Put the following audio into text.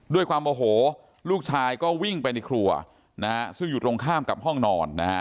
ด้วยความโอโหลูกชายก็วิ่งไปในครัวซึ่งหยุดลงข้ามกับห้องนอน